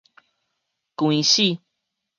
關死